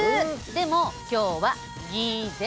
でも今日はギゼ。